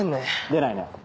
出ないね。